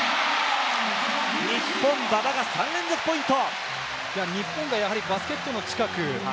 日本、馬場が３連続ポイント。